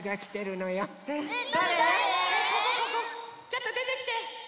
ちょっとでてきて。